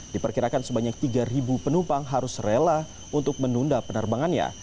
diperkirakan sebanyak tiga penumpang harus rela untuk menunda penerbangannya